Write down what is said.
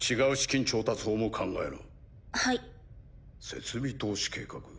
「設備投資計画」。